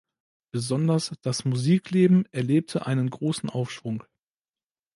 Besonders das Musikleben erlebte einen großen Aufschwung.